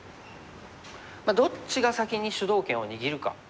どっちが先に主導権を握るか。